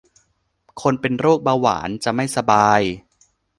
คนเป็นโรคเบาหวาน จะไม่สบาย